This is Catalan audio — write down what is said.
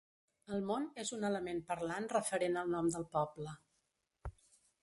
El món és un element parlant referent al nom del poble.